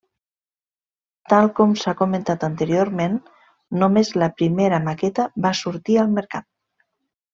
Tal com s'ha comentat anteriorment, només la primera maqueta va sortir al mercat.